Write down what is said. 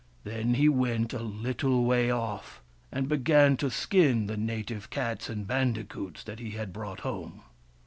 Then he went a little way off and began to skin the native cats and bandicoots that he had brought home.